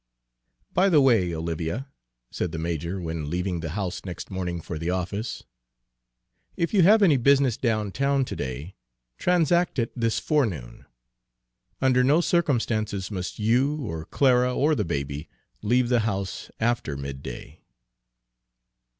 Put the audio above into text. "By the way, Olivia," said the major, when leaving the house next morning for the office, "if you have any business down town to day, transact it this forenoon. Under no circumstances must you or Clara or the baby leave the house after midday."